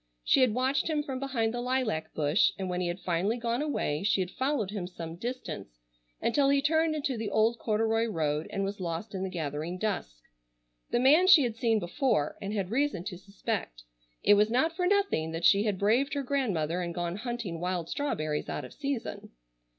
She had watched him from behind the lilac bush, and when he had finally gone away she had followed him some distance until he turned into the old corduroy road and was lost in the gathering dusk. The man she had seen before, and had reason to suspect. It was not for nothing that she had braved her grandmother and gone hunting wild strawberries out of season.